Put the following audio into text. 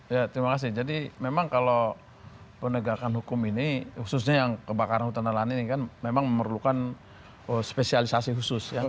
ya terima kasih jadi memang kalau penegakan hukum ini khususnya yang kebakaran hutan dan lahan ini kan memang memerlukan spesialisasi khusus